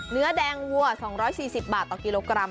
เนื้อแดงวัว๒๔๐บาทต่อกิโลกรัม